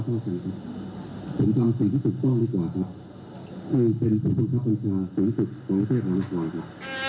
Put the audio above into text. เป็นจุดประชาชนสถานการณ์สถานการณ์